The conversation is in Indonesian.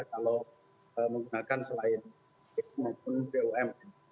kalau menggunakan selain ppb maupun vum